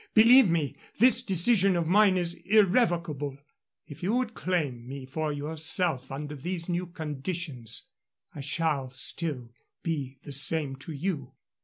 Believe me, this decision of mine is irrevocable. If you would claim me for yourself under these new conditions, I shall still be the same to you.